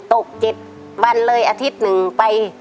ตก๗วันเลยอาทิตย์หนึ่งไป